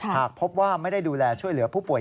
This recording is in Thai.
หากพบว่าไม่ได้ดูแลช่วยเหลือผู้ป่วย